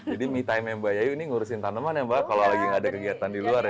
jadi me time ya mbak yayu ini ngurusin tanaman ya mbak kalau lagi nggak ada kegiatan di luar ya